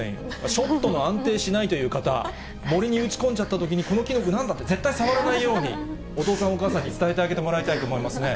ショットの安定しないという方、森に打ち込んじゃったときに、このキノコ、なんだって絶対触らないように、お父さん、お母さんに伝えてあげてもらいたいと思いますね。